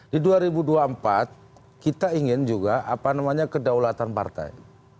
di dua ribu dua puluh empat kita ingin juga apa namanya kedaulatan partai